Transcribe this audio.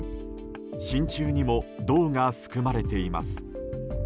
真鍮にも銅が含まれています。